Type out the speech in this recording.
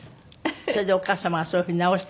それでお母様がそういうふうに直して。